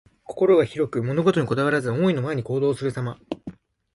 心が広く、物事にこだわらず、思いのままに行動するさま。